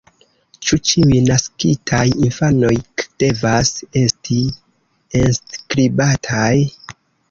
Ĉu ĉiuj naskitaj infanoj devas esti enskribataj?